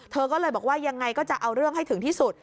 เธอก็เลยบอกว่ายังไงก็จะเอาเรื่องให้ถึงที่สุด